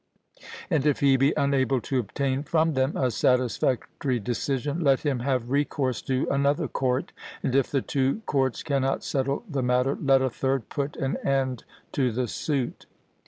And if he be unable to obtain from them a satisfactory decision, let him have recourse to another court; and if the two courts cannot settle the matter, let a third put an end to the suit.